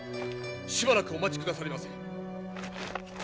しばらくお待ちくださりませ。